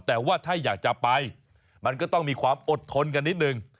แต่ว่าถ้าอยากจะไปมันก็ต้องมีความอดทนกันนิดนึง